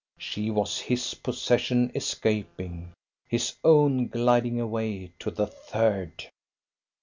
She was his possession escaping; his own gliding away to the Third.